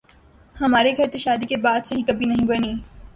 ہمارے گھر تو شادی کے بعد سے ہی کبھی نہیں بنی